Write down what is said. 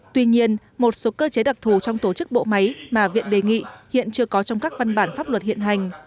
tuy nhiên một số cơ chế đặc thù trong tổ chức bộ máy mà viện đề nghị hiện chưa có trong các văn bản pháp luật hiện hành